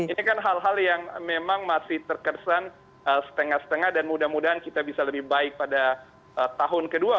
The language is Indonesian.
ini kan hal hal yang memang masih terkesan setengah setengah dan mudah mudahan kita bisa lebih baik pada tahun kedua